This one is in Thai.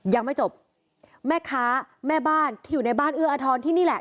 ยังไม่จบแม่ค้าแม่บ้านที่อยู่ในบ้านเอื้ออทรที่นี่แหละ